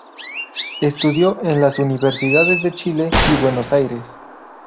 Estudió en las Universidades de Chile y Buenos Aires.